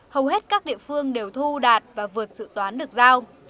hầu hết các địa phương đều thu đạt và vượt dự toán được giao